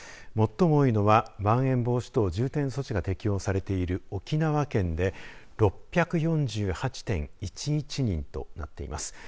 最も多いのはまん延防止等重点措置が適用されている沖縄県で６４８．１１人となっています。